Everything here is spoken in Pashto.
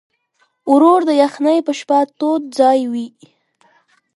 ورور د یخنۍ په شپه تود ځای وي.